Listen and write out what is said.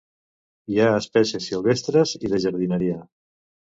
Hi ha espècies silvestres i de jardineria.